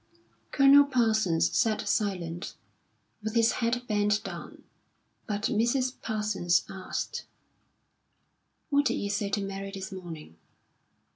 Colonel Parsons sat silent, with his head bent down, but Mrs. Parsons asked: "What did you say to Mary this morning?"